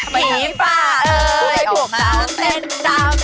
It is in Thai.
ผีฝ่าเอ้ยออกมาเต้นตามนี่